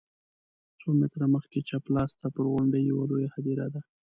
څو متره مخکې چپ لاس ته پر غونډۍ یوه لویه هدیره ده.